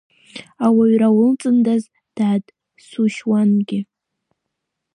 Ауаҩра улҵуандаз, дад, сушьуангьы!